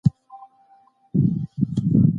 خو بيا چي بېرته راپه مخه کړمه غم ، راغلمه